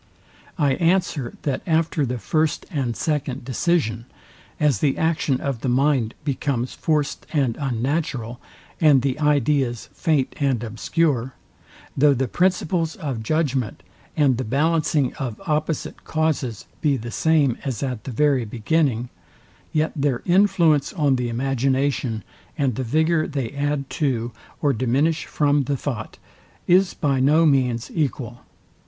I answer, that after the first and second decision; as the action of the mind becomes forced and unnatural, and the ideas faint and obscure; though the principles of judgment, and the ballancing of opposite causes be the same as at the very beginning; yet their influence on the imagination, and the vigour they add to, or diminish from the thought, is by no means equal.